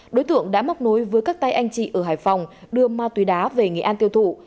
đối tượng đã móc nối với các tay anh chị ở hải phòng đưa ma túy đá về nghệ an tiêu thụ